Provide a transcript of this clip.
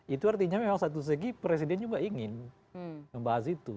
itu artinya memang satu segi presiden juga ingin membahas itu